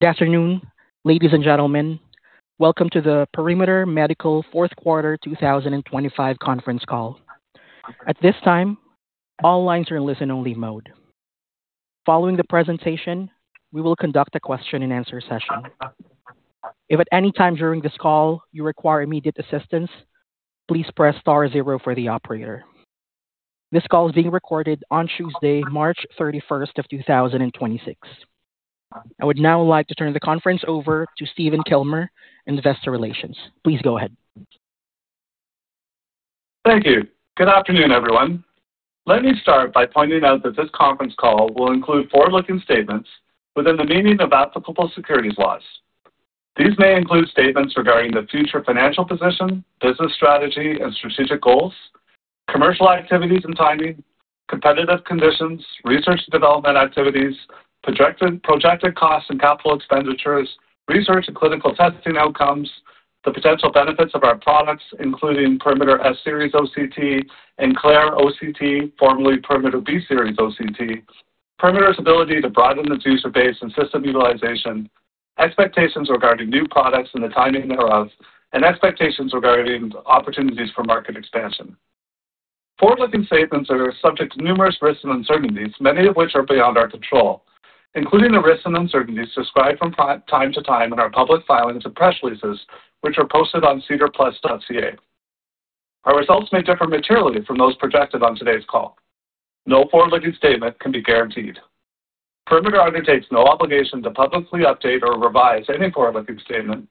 Good afternoon, ladies and gentlemen. Welcome to the Perimeter Medical Fourth Quarter 2025 conference call. At this time, all lines are in listen-only mode. Following the presentation, we will conduct a question and answer session. If at any time during this call you require immediate assistance, please press star zero for the operator. This call is being recorded on Tuesday, March 31st, 2026. I would now like to turn the conference over to Stephen Kilmer, Investor Relations. Please go ahead. Thank you. Good afternoon, everyone. Let me start by pointing out that this conference call will include forward-looking statements within the meaning of applicable securities laws. These may include statements regarding the future financial position, business strategy and strategic goals, commercial activities and timing, competitive conditions, research and development activities, projected costs and capital expenditures, research and clinical testing outcomes, the potential benefits of our products, including Perimeter S-Series OCT and Claire OCT, formerly Perimeter B-Series OCT, Perimeter's ability to broaden its user base and system utilization, expectations regarding new products and the timing thereof, and expectations regarding opportunities for market expansion. Forward-looking statements are subject to numerous risks and uncertainties, many of which are beyond our control, including the risks and uncertainties described from time to time in our public filings and press releases, which are posted on sedarplus.ca. Our results may differ materially from those projected on today's call. No forward-looking statement can be guaranteed. Perimeter undertakes no obligation to publicly update or revise any forward-looking statement,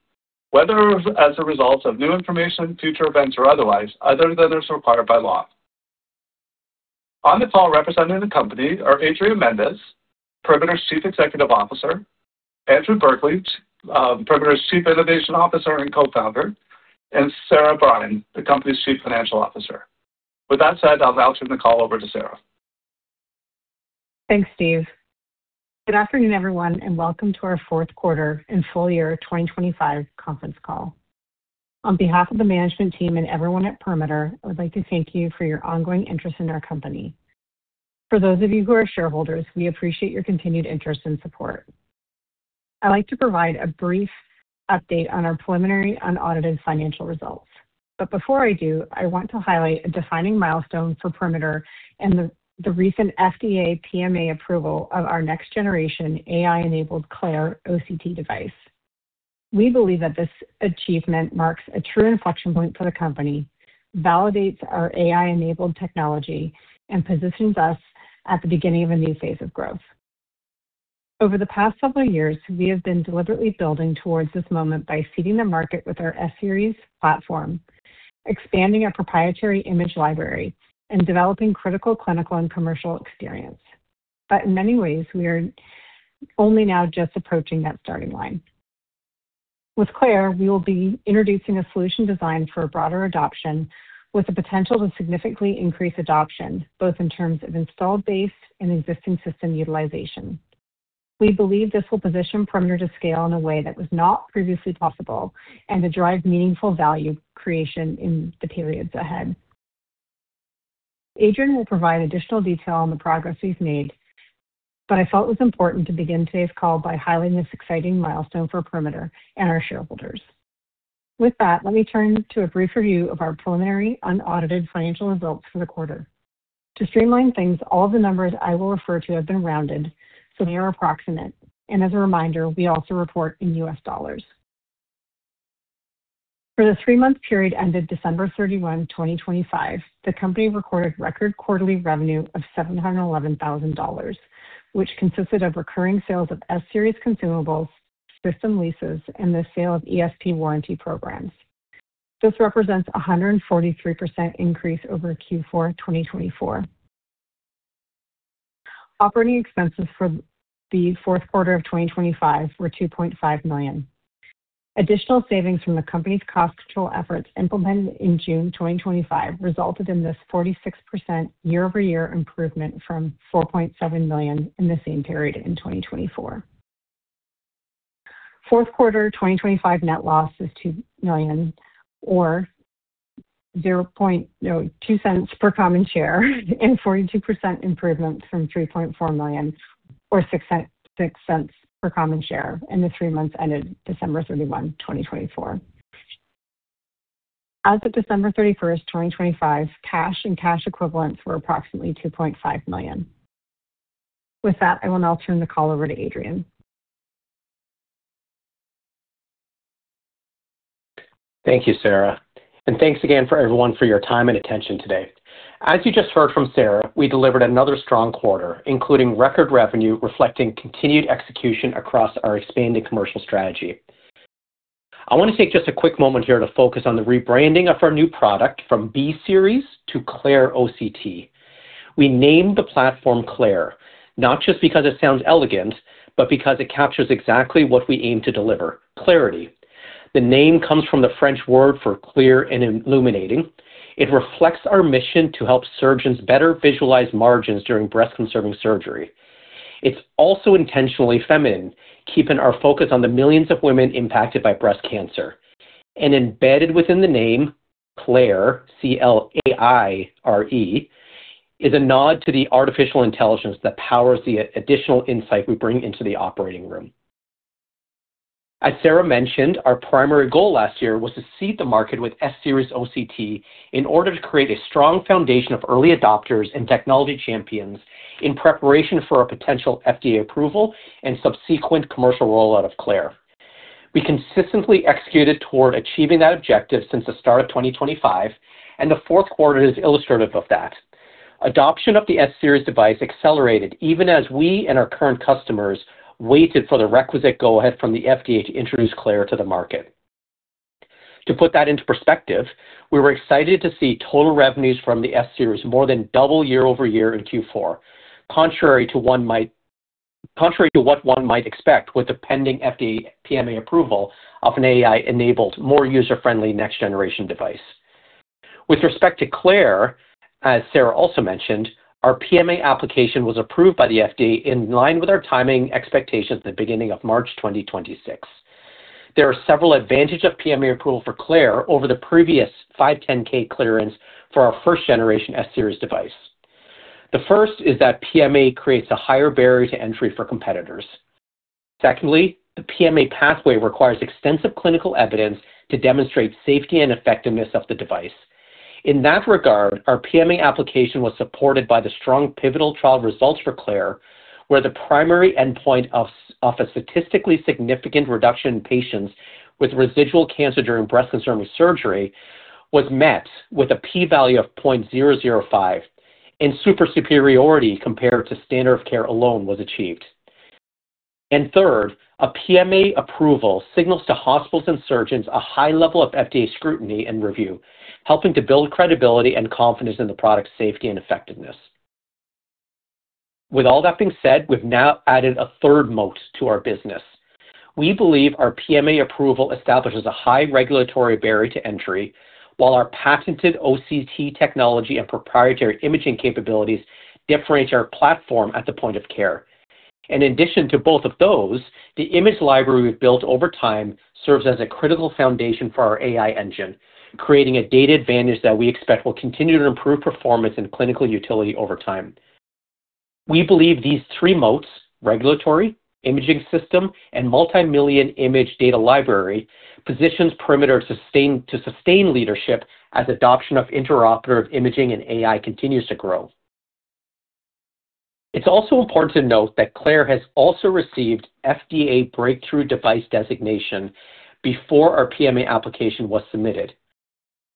whether as a result of new information, future events, or otherwise, other than is required by law. On the call representing the company are Adrian Mendes, Perimeter's Chief Executive Officer, Andrew Berkeley, Perimeter's Chief Innovation Officer and Co-founder, and Sara Brien, the company's Chief Financial Officer. With that said, I'll now turn the call over to Sara. Thanks, Steve. Good afternoon, everyone, and welcome to our fourth quarter and full year 2025 conference call. On behalf of the management team and everyone at Perimeter, I would like to thank you for your ongoing interest in our company. For those of you who are shareholders, we appreciate your continued interest and support. I'd like to provide a brief update on our preliminary unaudited financial results. Before I do, I want to highlight a defining milestone for Perimeter and the recent FDA PMA approval of our next-generation AI-enabled Claire OCT device. We believe that this achievement marks a true inflection point for the company, validates our AI-enabled technology, and positions us at the beginning of a new phase of growth. Over the past several years, we have been deliberately building towards this moment by seeding the market with our S-Series platform, expanding our proprietary image library, and developing critical clinical and commercial experience. In many ways, we are only now just approaching that starting line. With Claire, we will be introducing a solution designed for a broader adoption with the potential to significantly increase adoption, both in terms of installed base and existing system utilization. We believe this will position Perimeter to scale in a way that was not previously possible and to drive meaningful value creation in the periods ahead. Adrian will provide additional detail on the progress we've made, but I felt it was important to begin today's call by highlighting this exciting milestone for Perimeter and our shareholders. With that, let me turn to a brief review of our preliminary unaudited financial results for the quarter. To streamline things, all the numbers I will refer to have been rounded, so they are approximate. As a reminder, we also report in U.S. dollars. For the three-month period ended December 31, 2025, the company recorded record quarterly revenue of $711,000, which consisted of recurring sales of S-Series consumables, system leases, and the sale of ESP warranty programs. This represents a 143% increase over Q4 2024. Operating expenses for the fourth quarter of 2025 were $2.5 million. Additional savings from the company's cost control efforts implemented in June 2025 resulted in this 46% year-over-year improvement from $4.7 million in the same period in 2024. Fourth quarter 2025 net loss $2 million or $0.02 per common share and 42% improvement from $3.4 million or $0.06 per common share in the three months ended December 31, 2024. As of December 31st, 2025, cash and cash equivalents were approximately $2.5 million. With that, I will now turn the call over to Adrian. Thank you, Sara. Thanks again for everyone for your time and attention today. As you just heard from Sara, we delivered another strong quarter, including record revenue reflecting continued execution across our expanded commercial strategy. I want to take just a quick moment here to focus on the rebranding of our new product from B-Series to Claire OCT. We named the platform Claire not just because it sounds elegant, but because it captures exactly what we aim to deliver: clarity. The name comes from the French word for clear and illuminating. It reflects our mission to help surgeons better visualize margins during breast-conserving surgery. It's also intentionally feminine, keeping our focus on the millions of women impacted by breast cancer. Embedded within the name Claire, C-L-A-I-R-E, is a nod to the artificial intelligence that powers the additional insight we bring into the operating room. As Sara mentioned, our primary goal last year was to seed the market with S-Series OCT in order to create a strong foundation of early adopters and technology champions in preparation for a potential FDA approval and subsequent commercial rollout of Claire. We consistently executed toward achieving that objective since the start of 2025, and the fourth quarter is illustrative of that. Adoption of the S-Series device accelerated even as we and our current customers waited for the requisite go-ahead from the FDA to introduce Claire to the market. To put that into perspective, we were excited to see total revenues from the S-Series more than double year-over-year in Q4. Contrary to what one might expect with the pending FDA PMA approval of an AI-enabled, more user-friendly next-generation device. With respect to Claire, As Sara also mentioned, our PMA application was approved by the FDA in line with our timing expectations at the beginning of March 2026. There are several advantages of PMA approval for Claire over the previous 510(k) clearance for our first-generation S-Series device. The first is that PMA creates a higher barrier to entry for competitors. Secondly, the PMA pathway requires extensive clinical evidence to demonstrate safety and effectiveness of the device. In that regard, our PMA application was supported by the strong pivotal trial results for Claire, where the primary endpoint of a statistically significant reduction in patients with residual cancer during breast conserving surgery was met with a P value of 0.005, and super-superiority compared to standard of care alone was achieved. Third, a PMA approval signals to hospitals and surgeons a high level of FDA scrutiny and review, helping to build credibility and confidence in the product's safety and effectiveness. With all that being said, we've now added a third moat to our business. We believe our PMA approval establishes a high regulatory barrier to entry, while our patented OCT technology and proprietary imaging capabilities differentiate our platform at the point of care. In addition to both of those, the image library we've built over time serves as a critical foundation for our AI engine, creating a data advantage that we expect will continue to improve performance and clinical utility over time. We believe these three moats, regulatory, imaging system, and multi-million image data library, positions Perimeter to sustain leadership as adoption of intraoperative imaging and AI continues to grow. It's also important to note that Claire has also received FDA Breakthrough Device designation before our PMA application was submitted.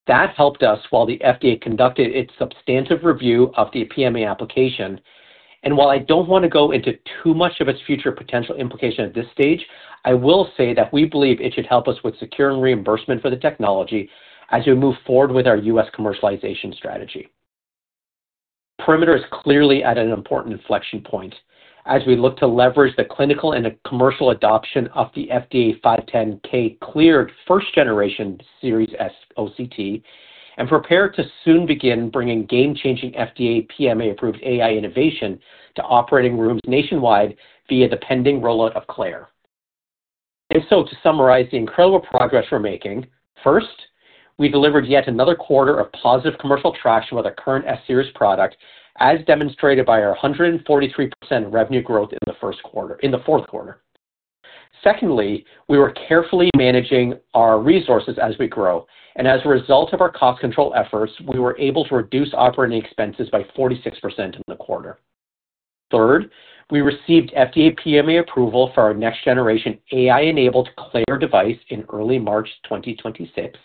That helped us while the FDA conducted its substantive review of the PMA application, and while I don't want to go into too much of its future potential implication at this stage, I will say that we believe it should help us with securing reimbursement for the technology as we move forward with our U.S. commercialization strategy. Perimeter is clearly at an important inflection point as we look to leverage the clinical and commercial adoption of the FDA 510(k) cleared first generation S-Series OCT, and prepare to soon begin bringing game-changing FDA PMA approved AI innovation to operating rooms nationwide via the pending rollout of Claire. If so, to summarize the incredible progress we're making, first, we delivered yet another quarter of positive commercial traction with our current S-Series product, as demonstrated by our 143% revenue growth in the fourth quarter. Secondly, we were carefully managing our resources as we grow, and as a result of our cost control efforts, we were able to reduce operating expenses by 46% in the quarter. Third, we received FDA PMA approval for our next generation AI-enabled Claire device in early March 2026.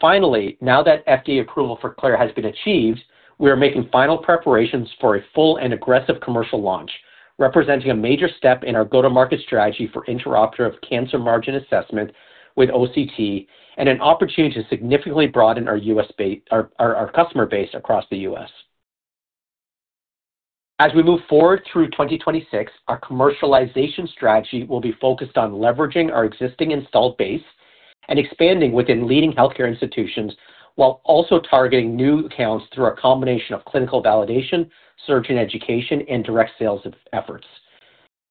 Finally, now that FDA approval for Claire has been achieved, we are making final preparations for a full and aggressive commercial launch, representing a major step in our go-to-market strategy for intraoperative cancer margin assessment with OCT and an opportunity to significantly broaden our U.S. base, our customer base across the U.S. As we move forward through 2026, our commercialization strategy will be focused on leveraging our existing installed base and expanding within leading healthcare institutions while also targeting new accounts through a combination of clinical validation, surgeon education, and direct sales efforts.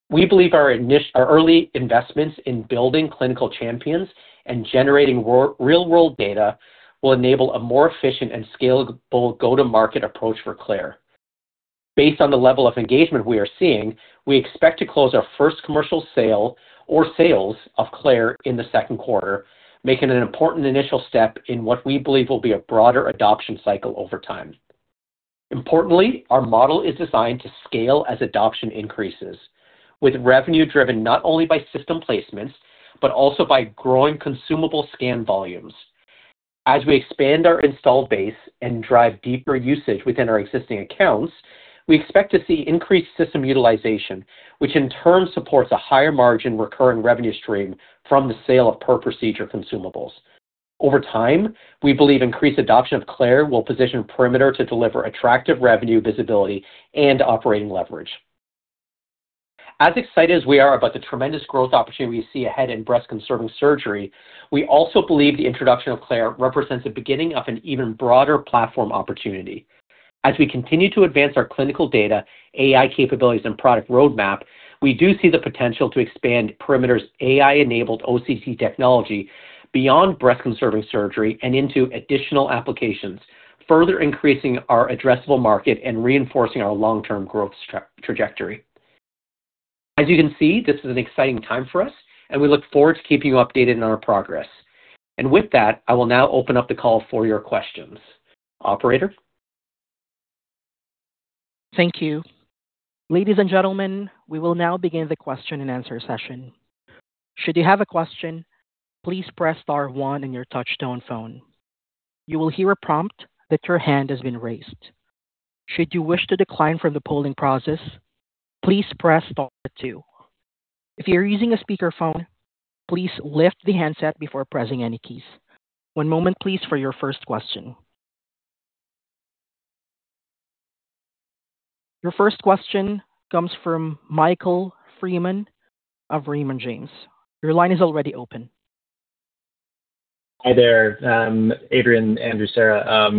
We believe our early investments in building clinical champions and generating real-world data will enable a more efficient and scalable go-to-market approach for Claire. Based on the level of engagement we are seeing, we expect to close our first commercial sale or sales of Claire in the second quarter, making an important initial step in what we believe will be a broader adoption cycle over time. Importantly, our model is designed to scale as adoption increases, with revenue driven not only by system placements but also by growing consumable scan volumes. As we expand our installed base and drive deeper usage within our existing accounts, we expect to see increased system utilization, which in turn supports a higher margin recurring revenue stream from the sale of per-procedure consumables. Over time, we believe increased adoption of Claire will position Perimeter to deliver attractive revenue visibility and operating leverage. As excited as we are about the tremendous growth opportunity we see ahead in breast conserving surgery, we also believe the introduction of Claire represents the beginning of an even broader platform opportunity. As we continue to advance our clinical data, AI capabilities, and product roadmap, we do see the potential to expand Perimeter's AI-enabled OCT technology beyond breast conserving surgery and into additional applications, further increasing our addressable market and reinforcing our long-term growth trajectory. As you can see, this is an exciting time for us, and we look forward to keeping you updated on our progress. With that, I will now open up the call for your questions. Operator? Thank you. Ladies and gentlemen, we will now begin the question and answer session. Should you have a question, please press star one on your touchtone phone. You will hear a prompt that your hand has been raised. Should you wish to decline from the polling process, please press star two. If you're using a speakerphone, please lift the handset before pressing any keys. One moment please for your first question. Your first question comes Michael Freeman of Raymond James. Your line is already open. Hi there, Adrian, Andrew, Sara.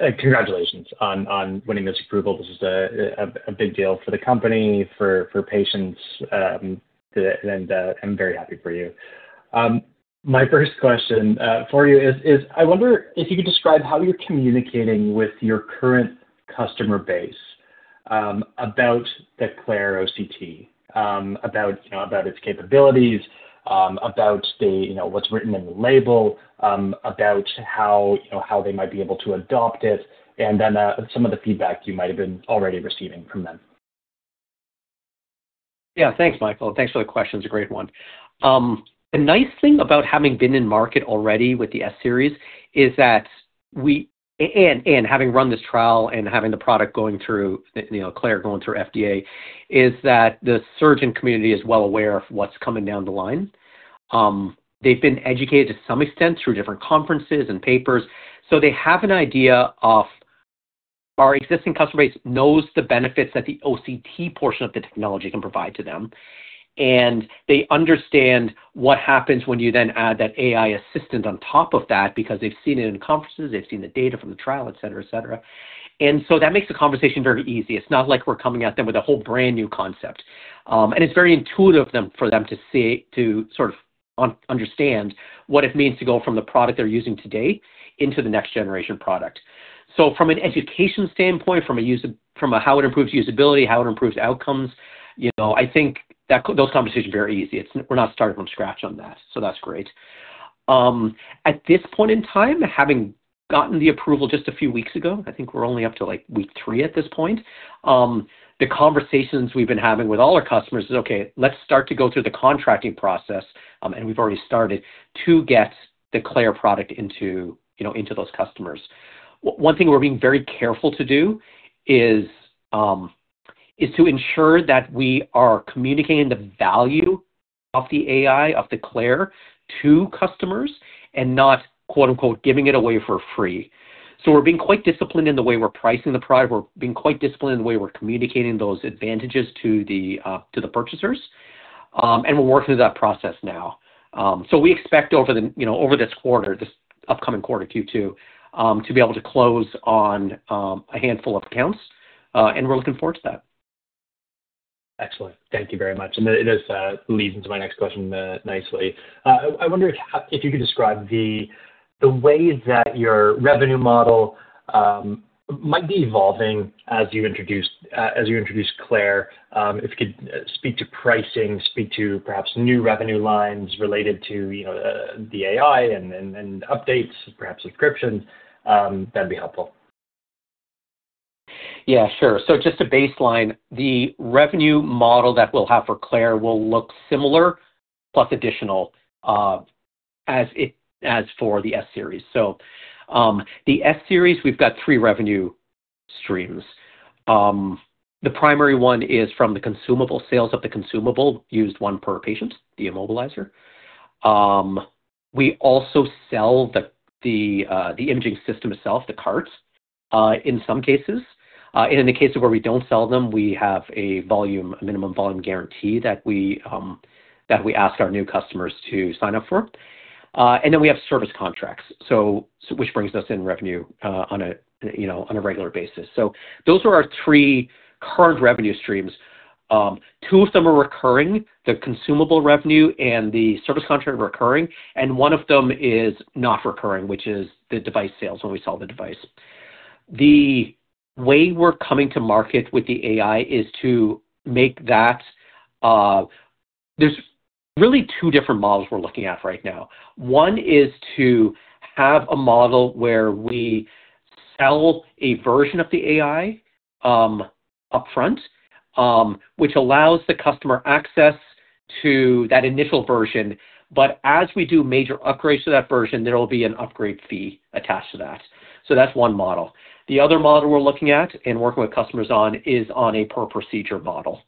Congratulations on winning this approval. This is a big deal for the company, for patients, and I'm very happy for you. My first question for you is I wonder if you could describe how you're communicating with your current customer base about the Claire OCT, about about its capabilities, about the what's written in the label, about how how they might be able to adopt it, and then some of the feedback you might have been already receiving from them. Yeah. Thanks, Michael. Thanks for the question. It's a great one. The nice thing about having been in market already with the S-Series is that, having run this trial and having the product going through Claire going through FDA, the surgeon community is well aware of what's coming down the line. They've been educated to some extent through different conferences and papers, so they have an idea of our existing customer base knows the benefits that the OCT portion of the technology can provide to them, and they understand what happens when you then add that AI assistant on top of that because they've seen it in conferences, they've seen the data from the trial, et cetera, et cetera. That makes the conversation very easy. It's not like we're coming at them with a whole brand new concept. It's very intuitive for them to see to sort of understand what it means to go from the product they're using today into the next generation product. From an education standpoint, from a how it improves usability, how it improves outcomes I think that those conversations are very easy. We're not starting from scratch on that, so that's great. At this point in time, having gotten the approval just a few weeks ago, I think we're only up to, like, week three at this point, the conversations we've been having with all our customers is, "Okay, let's start to go through the contracting process," and we've already started to get the Claire product into into those customers. One thing we're being very careful to do is to ensure that we are communicating the value of the AI, of the Claire to customers and not, quote-unquote, "giving it away for free." We're being quite disciplined in the way we're pricing the product. We're being quite disciplined in the way we're communicating those advantages to the purchasers, and we're working through that process now. We expect over the over this quarter, this upcoming quarter, Q2, to be able to close on a handful of accounts, and we're looking forward to that. Excellent. Thank you very much. That just leads into my next question nicely. I wonder if you could describe the ways that your revenue model might be evolving as you introduce Claire. If you could speak to pricing, speak to perhaps new revenue lines related to the AI and updates, perhaps subscriptions, that'd be helpful. Yeah, sure. Just to baseline, the revenue model that we'll have for Claire will look similar plus additional, as for the S-Series. The S-Series, we've got three revenue streams. The primary one is from the consumable sales of the consumable used one per patient, the Immobilizer. We also sell the imaging system itself, the cart in some cases. And in the cases where we don't sell them, we have a minimum volume guarantee that we ask our new customers to sign up for. And then we have service contracts, which brings us in revenue on a you know on a regular basis. Those are our three current revenue streams. Two of them are recurring, the consumable revenue and the service contract recurring, and one of them is not recurring, which is the device sales, when we sell the device. The way we're coming to market with the AI is to make that. There's really two different models we're looking at right now. One is to have a model where we sell a version of the AI upfront, which allows the customer access to that initial version. As we do major upgrades to that version, there will be an upgrade fee attached to that. That's one model. The other model we're looking at and working with customers on is on a per procedure model.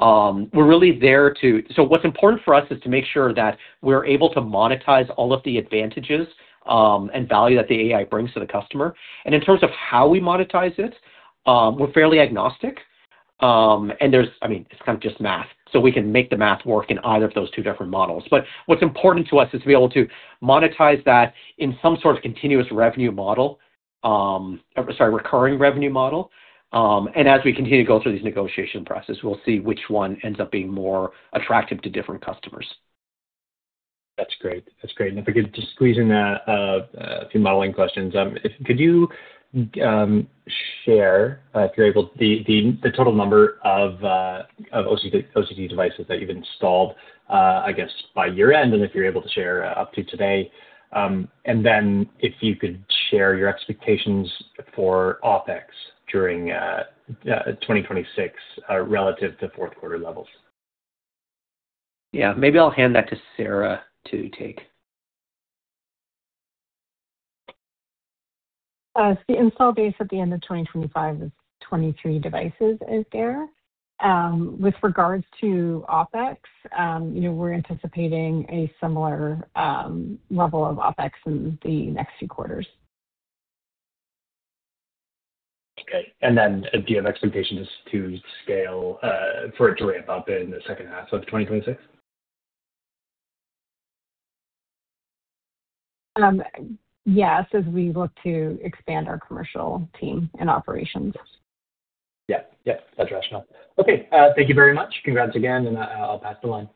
We're really there to... What's important for us is to make sure that we're able to monetize all of the advantages, and value that the AI brings to the customer. In terms of how we monetize it, we're fairly agnostic, and there's I mean, it's kind of just math. We can make the math work in either of those two different models. What's important to us is to be able to monetize that in some sort of continuous revenue model, or sorry, recurring revenue model. As we continue to go through these negotiation process, we'll see which one ends up being more attractive to different customers. That's great. If I could just squeeze in a few modeling questions. Could you share, if you're able, the total number of OCT devices that you've installed, I guess by year-end, and if you're able to share up to today. If you could share your expectations for OpEx during 2026, relative to fourth quarter levels. Yeah. Maybe I'll hand that to Sara to take. The installed base at the end of 2025 was 23 devices out there. With regards to OpEx we're anticipating a similar level of OpEx in the next few quarters. Okay. Do you have expectations to scale for it to ramp up in the second half of 2026? Yes, as we look to expand our commercial team and operations. Yeah. That's rational. Okay. Thank you very much. Congrats again, and I'll pass the line.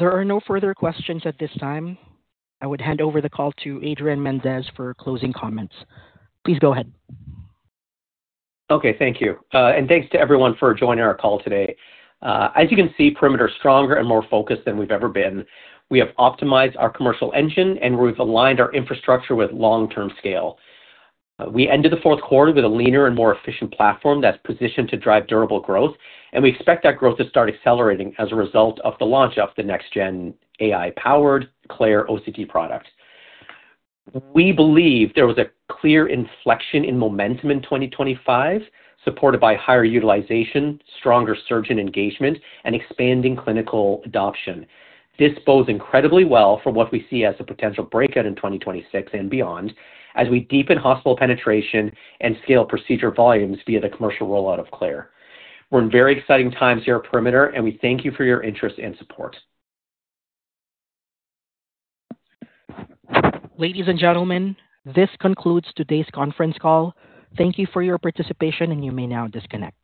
There are no further questions at this time. I would hand over the call to Adrian Mendes for closing comments. Please go ahead. Okay. Thank you. Thanks to everyone for joining our call today. As you can see, Perimeter is stronger and more focused than we've ever been. We have optimized our commercial engine, and we've aligned our infrastructure with long-term scale. We ended the fourth quarter with a leaner and more efficient platform that's positioned to drive durable growth, and we expect that growth to start accelerating as a result of the launch of the next gen AI-powered Claire OCT product. We believe there was a clear inflection in momentum in 2025, supported by higher utilization, stronger surgeon engagement, and expanding clinical adoption. This bodes incredibly well for what we see as a potential breakout in 2026 and beyond as we deepen hospital penetration and scale procedure volumes via the commercial rollout of Claire. We're in very exciting times here at Perimeter, and we thank you for your interest and support. Ladies and gentlemen, this concludes today's conference call. Thank you for your participation, and you may now disconnect.